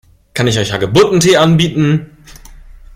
Kann ich euch Hagebuttentee anbieten?